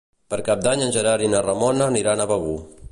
Per Cap d'Any en Gerard i na Ramona aniran a Begur.